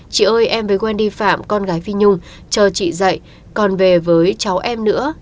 chị ơi em với wendy phạm con gái phi nhung chờ chị dậy còn về với cháu em nữa